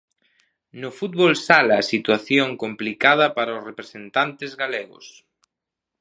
No fútbol sala situación complicada para os representantes galegos.